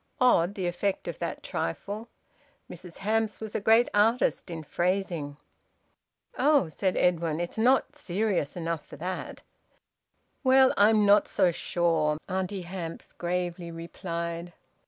Odd, the effect of that trifle! Mrs Hamps was a great artist in phrasing. "Oh!" said Edwin. "It's not serious enough for that." "Well, I'm not so sure," Auntie Hamps gravely replied.